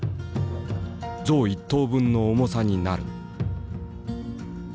象１頭分の重さになる」。